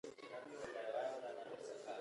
خو پانګوال یوازې نیم مزد دوی ته ورکوي